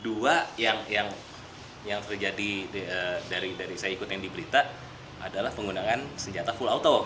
nah kalau yang terjadi dari saya ikut yang diberita adalah penggunaan senjata full auto